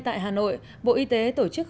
tại hà nội bộ y tế tổ chức